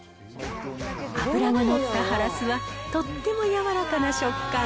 脂の乗ったハラスは、とっても柔らかな食感。